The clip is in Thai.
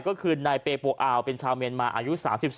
ก็คือนายเปโปอาวเป็นชาวเมียนมาอายุ๓๒